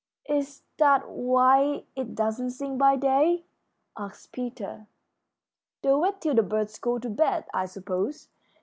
"Is that why it doesn't sing by day?" asked Peter. "They wait till the birds go to bed, I suppose.